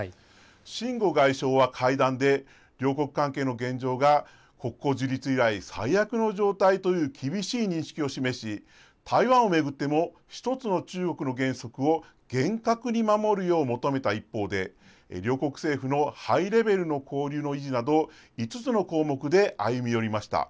秦剛外相は会談で、両国関係の現状が国交樹立以来、最悪の状態という厳しい認識を示し、台湾を巡っても、１つの中国の原則を厳格に守るよう求めた一方で、両国政府のハイレベルの交流の維持など、５つの項目で歩み寄りました。